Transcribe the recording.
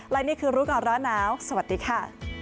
และนี่คือรู้ก่อนร้อนหนาวสวัสดีค่ะ